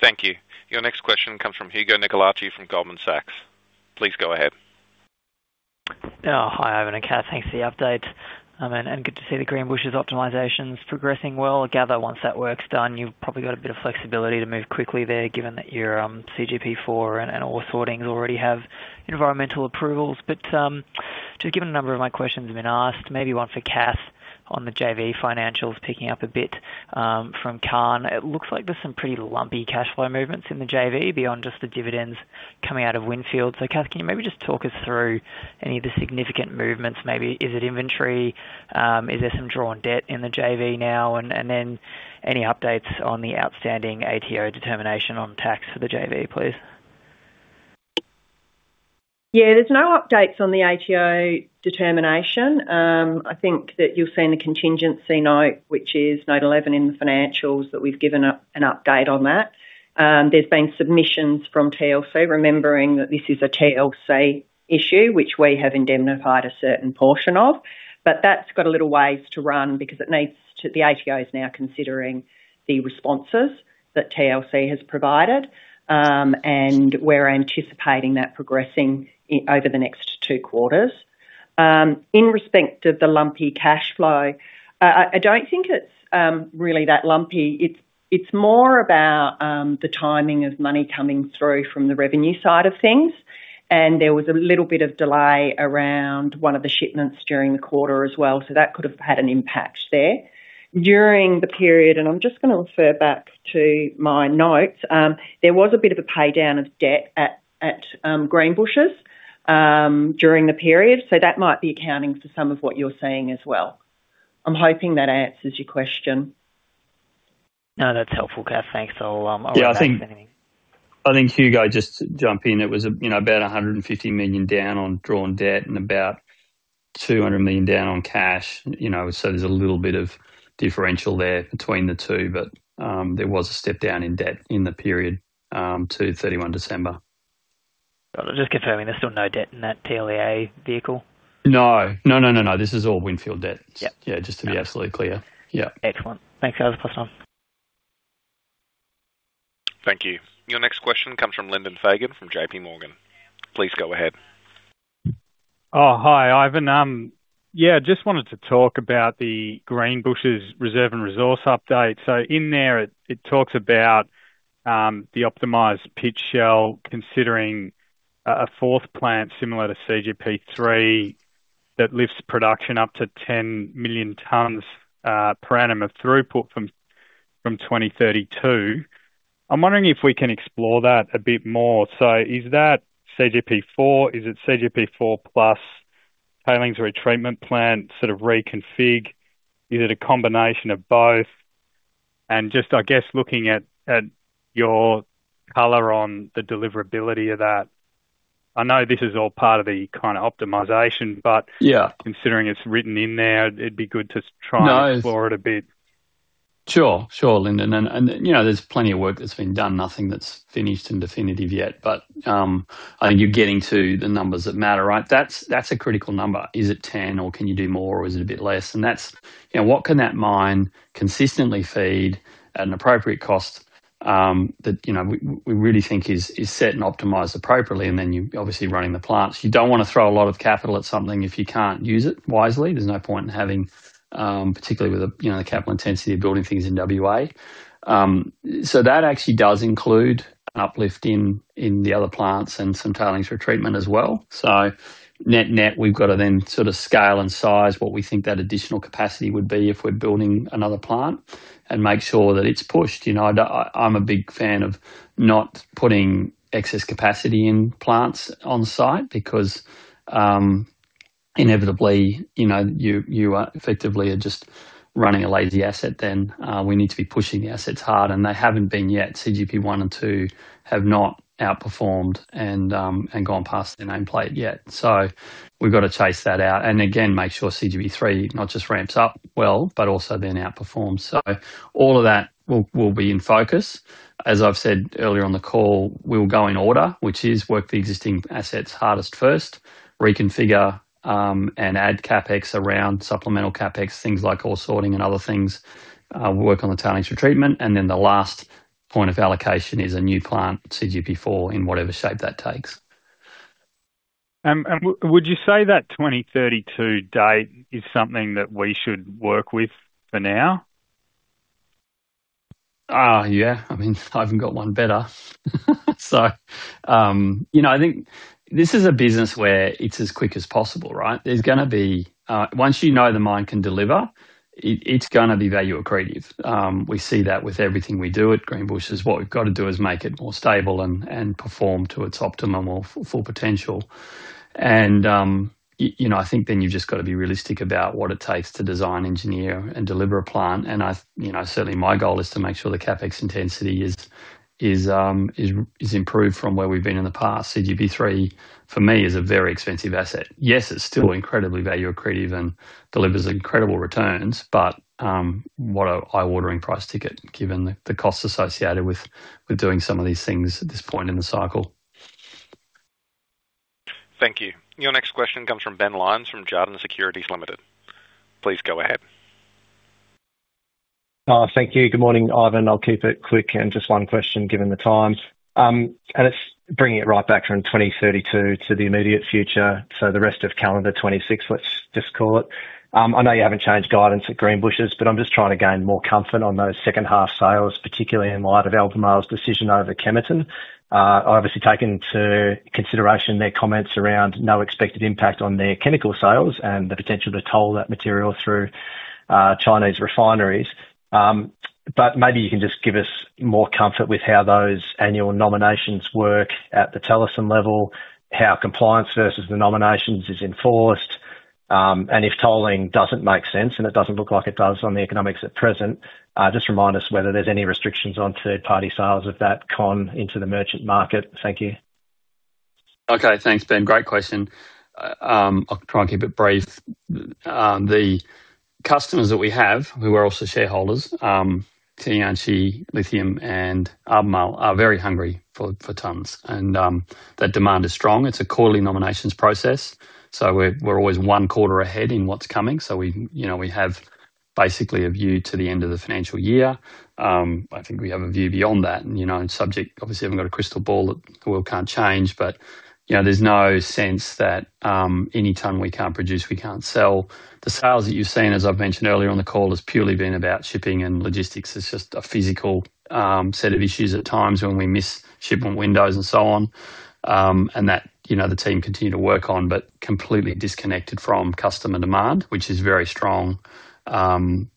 Thank you. Your next question comes from Hugo Nicolaci from Goldman Sachs. Please go ahead. Oh, hi, Ivan and Cath. Thanks for the update, and good to see the Greenbushes optimization's progressing well. I gather once that work's done, you've probably got a bit of flexibility to move quickly there, given that your CGP4 and ore sorting already have environmental approvals. But just given a number of my questions have been asked, maybe one for Cath on the JV financials picking up a bit from Kaan. It looks like there's some pretty lumpy cash flow movements in the JV beyond just the dividends coming out of Windfield. So, Cath, can you maybe just talk us through any of the significant movements? Maybe, is it inventory? Is there some drawn debt in the JV now? And then any updates on the outstanding ATO determination on tax for the JV, please? Yeah, there's no updates on the ATO determination. I think that you'll see in the contingency note, which is note 11 in the financials, that we've given an update on that. There's been submissions from TLC, remembering that this is a TLC issue, which we have indemnified a certain portion of. But that's got a little ways to run because it needs to... The ATO is now considering the responses that TLC has provided, and we're anticipating that progressing over the next two quarters. In respect of the lumpy cash flow, I don't think it's really that lumpy. It's more about the timing of money coming through from the revenue side of things, and there was a little bit of delay around one of the shipments during the quarter as well, so that could have had an impact there. During the period, and I'm just gonna refer back to my notes, there was a bit of a pay down of debt at Greenbushes during the period, so that might be accounting for some of what you're seeing as well. I'm hoping that answers your question. No, that's helpful, Cath. Thanks. I'll- Yeah, I think, I think, Hugo, just to jump in, it was, you know, about 150 million down on drawn debt and about 200 million down on cash, you know, so there's a little bit of differential there between the two, but there was a step down in debt in the period to 31 December. Just confirming, there's still no debt in that TLEA vehicle? No. No, no, no, no. This is all Windfield debt. Yep. Yeah, just to be absolutely clear. Yeah. Excellent. Thanks for the plus one. Thank you. Your next question comes from Lyndon Fagan, from JPMorgan. Please go ahead. Oh, hi, Ivan. Yeah, just wanted to talk about the Greenbushes reserve and resource update. So in there, it talks about the optimized pit shell, considering a fourth plant similar to CGP3, that lifts production up to 10 million tons per annum of throughput from 2032. I'm wondering if we can explore that a bit more. So is that CGP4? Is it CGP4 plus tailings retreatment plant, sort of reconfig? Is it a combination of both? And just, I guess, looking at your color on the deliverability of that, I know this is all part of the kind of optimization, but- Yeah... considering it's written in there, it'd be good to try- No and explore it a bit.... Sure, sure, Lyndon, and, and, you know, there's plenty of work that's been done. Nothing that's finished and definitive yet, but I think you're getting to the numbers that matter, right? That's, that's a critical number. Is it 10, or can you do more, or is it a bit less? And that's, you know, what can that mine consistently feed at an appropriate cost, that, you know, we, we really think is, is set and optimized appropriately, and then you're obviously running the plants. You don't want to throw a lot of capital at something if you can't use it wisely. There's no point in having, particularly with the, you know, the capital intensity of building things in WA. So that actually does include an uplift in, in the other plants and some tailings retreatment as well. So net, net, we've got to then sort of scale and size what we think that additional capacity would be if we're building another plant and make sure that it's pushed. You know, I don't—I, I'm a big fan of not putting excess capacity in plants on site because, inevitably, you know, you, you are effectively just running a lazy asset then. We need to be pushing the assets hard, and they haven't been yet. CGP1 and CGP2 have not outperformed and gone past their nameplate yet. So we've got to chase that out and again, make sure CGP3 not just ramps up well, but also then outperforms. So all of that will be in focus. As I've said earlier on the call, we'll go in order, which is work the existing assets hardest first, reconfigure, and add CapEx around supplemental CapEx, things like ore sorting and other things. We'll work on the tailings retreatment, and then the last point of allocation is a new plant, CGP4, in whatever shape that takes. Would you say that 2032 date is something that we should work with for now? Yeah. I mean, I haven't got one better. So, you know, I think this is a business where it's as quick as possible, right? There's gonna be once you know the mine can deliver, it, it's gonna be value accretive. We see that with everything we do at Greenbushes. What we've got to do is make it more stable and perform to its full potential. You know, I think then you've just got to be realistic about what it takes to design, engineer, and deliver a plant. And I, you know, certainly my goal is to make sure the CapEx intensity is improved from where we've been in the past. CGP3, for me, is a very expensive asset. Yes, it's still incredibly value accretive and delivers incredible returns, but what an eye-watering price ticket, given the costs associated with doing some of these things at this point in the cycle. Thank you. Your next question comes from Ben Lyons, from Jarden Securities Limited. Please go ahead. Thank you. Good morning, Ivan. I'll keep it quick and just one question, given the time. It's bringing it right back from 2032 to the immediate future, so the rest of calendar 2026, let's just call it. I know you haven't changed guidance at Greenbushes, but I'm just trying to gain more comfort on those second half sales, particularly in light of Albemarle's decision over Kemerton. Obviously, taking into consideration their comments around no expected impact on their chemical sales and the potential to toll that material through Chinese refineries. But maybe you can just give us more comfort with how those annual nominations work at the Talison level, how compliance versus the nominations is enforced, and if tolling doesn't make sense, and it doesn't look like it does on the economics at present, just remind us whether there's any restrictions on third-party sales of that con into the merchant market. Thank you. Okay. Thanks, Ben. Great question. I'll try and keep it brief. The customers that we have, who are also shareholders, Tianqi Lithium, and Albemarle, are very hungry for, for tons, and, that demand is strong. It's a quarterly nominations process, so we're always one quarter ahead in what's coming. So we, you know, we have basically a view to the end of the financial year. I think we have a view beyond that, and, you know, subject-- obviously, haven't got a crystal ball, the world can't change, but, you know, there's no sense that, any ton we can't produce, we can't sell. The sales that you've seen, as I've mentioned earlier on the call, has purely been about shipping and logistics. It's just a physical, set of issues at times when we miss shipment windows and so on. That, you know, the team continue to work on, but completely disconnected from customer demand, which is very strong. And,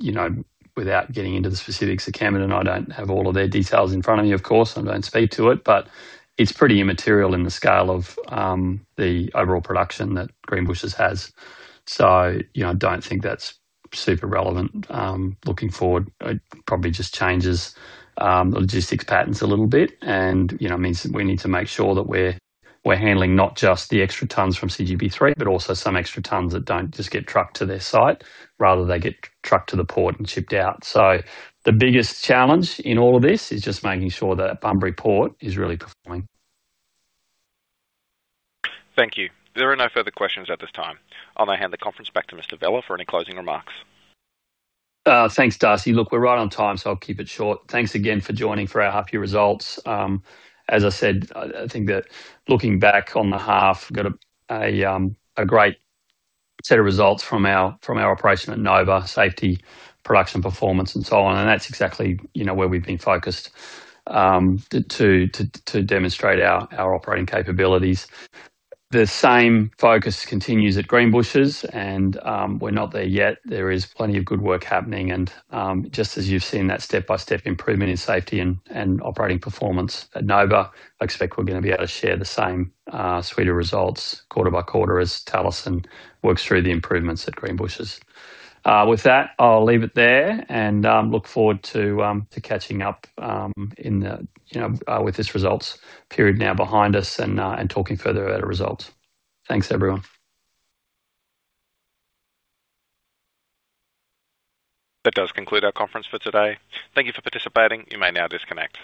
you know, without getting into the specifics of Kemerton, I don't have all of their details in front of me, of course, I don't speak to it, but it's pretty immaterial in the scale of the overall production that Greenbushes has. So, you know, I don't think that's super relevant. Looking forward, it probably just changes the logistics patterns a little bit and, you know, means we need to make sure that we're handling not just the extra tons from CGP3, but also some extra tons that don't just get trucked to their site, rather, they get trucked to the port and shipped out. So the biggest challenge in all of this is just making sure that Bunbury Port is really performing. Thank you. There are no further questions at this time. I'll now hand the conference back to Mr. Vella for any closing remarks. Thanks, Darcy. Look, we're right on time, so I'll keep it short. Thanks again for joining for our half year results. As I said, I think that looking back on the half, we got a great set of results from our operation at Nova, safety, production, performance, and so on, and that's exactly, you know, where we've been focused to demonstrate our operating capabilities. The same focus continues at Greenbushes, and we're not there yet. There is plenty of good work happening and just as you've seen that step-by-step improvement in safety and operating performance at Nova, I expect we're gonna be able to share the same suite of results quarter by quarter as Talison works through the improvements at Greenbushes. With that, I'll leave it there, and look forward to catching up in the, you know, with this results period now behind us and talking further about our results. Thanks, everyone. That does conclude our conference for today. Thank you for participating. You may now disconnect.